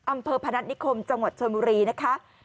อำเภอพนัทนิคมจังหวัดชนมุรีนะคะ